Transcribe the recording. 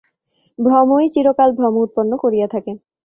ভ্রমই চিরকাল ভ্রম উৎপন্ন করিয়া থাকে।